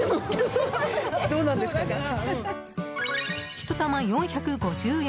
１玉４５０円